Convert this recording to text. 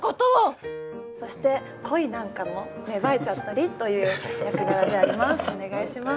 そして恋なんかも芽生えちゃったりという役柄であります。